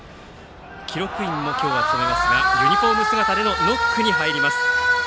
記録員も今日は務めますがユニフォーム姿でのノックに入ります。